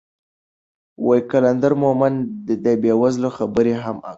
قلندر مومند د بې وزلو خبرې هم کولې.